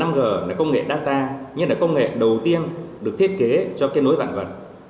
công nghệ năm g là công nghệ data như là công nghệ đầu tiên được thiết kế cho kết nối vạn vật